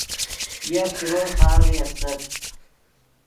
یف شروئے خارڤے استت